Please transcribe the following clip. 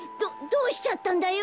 どどうしちゃったんだよ。